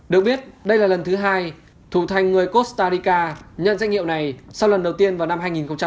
được biết đây là lần thứ hai thủ thành người costa rica nhân danh hiệu này sau lần đầu tiên vào năm hai nghìn một mươi bốn